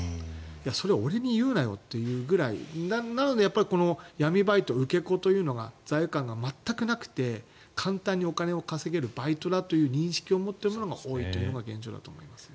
それ、俺に言うなよってぐらいなのでやっぱりこの闇バイト受け子というのが罪悪感が全くなくて簡単にお金を稼げるバイトだという認識を持っているのが多いというのが現状だと思います。